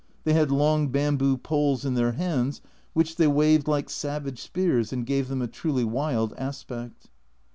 They had long bamboo poles in their hands, which they waved like savage spears, and gave them a truly wild aspect.